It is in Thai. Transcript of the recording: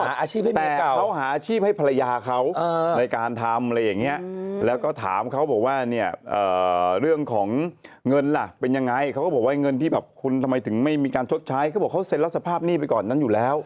แต่เขาหาอาชีพให้ภรรยาเขาในการทำอะไรอย่างเงี้ยแล้วก็ถามเขาบอกว่าเนี่ยเรื่องของเงินล่ะเป็นยังไงเขาก็บอกว่าเงินที่แบบคุณทำไมถึงไม่มีการชดใช้เขาบอกเขาเซ็นรับสภาพหนี้ไปก่อนนั้นอยู่แล้ว